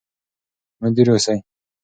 مدیر اوسئ.